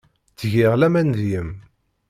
Ttgeɣ laman deg-m.